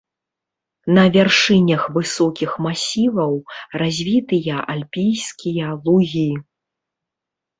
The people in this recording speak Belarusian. На вяршынях высокіх масіваў развітыя альпійскія лугі.